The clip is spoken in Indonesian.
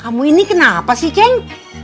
kamu ini kenapa sih keng